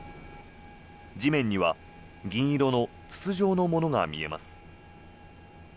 地面には銀色の筒状のものが見えます。